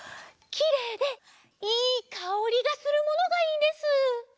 きれいでいいかおりがするものがいいんです。